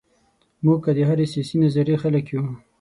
موږ که د هرې سیاسي نظریې خلک یو.